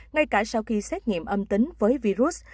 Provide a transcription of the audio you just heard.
ngay cả sau khi xét nghiệm âm tính với virus